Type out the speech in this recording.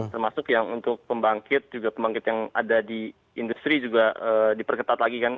termasuk yang untuk pembangkit juga pembangkit yang ada di industri juga diperketat lagi kan